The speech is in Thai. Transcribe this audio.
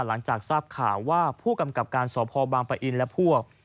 หลังจากทราบข่าวว่าผู้กำกับการสพบางปะอินและพวก